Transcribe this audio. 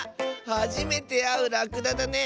はじめてあうらくだだね！